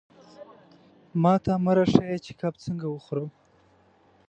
ماته مه را ښیه چې کب څنګه وخورم.